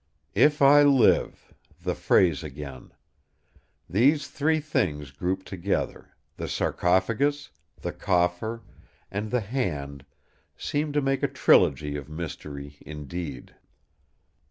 '" "If I live!" the phrase again. These three things grouped together, the Sarcophagus, the Coffer, and the Hand, seemed to make a trilogy of mystery indeed!